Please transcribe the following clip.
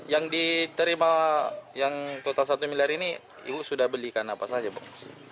yang diterima yang total satu miliar ini ibu sudah belikan apa saja bu